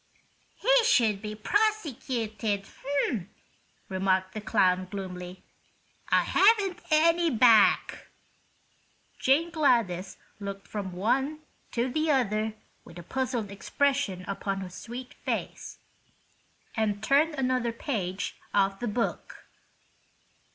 "He should be prosecuted," remarked the clown, gloomily. "I haven't any back." Jane Gladys looked from one to the other with a puzzled expression upon her sweet face, and turned another page of the book.